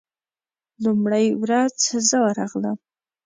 لومړۍ ورځ زه ورغلم.